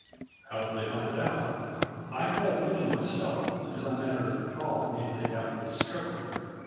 " How did they find it out ?"" I told Winnie myself, as I met her in the hall immediately after the discovery.